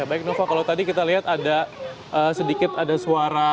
baik nova kalau tadi kita lihat ada sedikit ada suara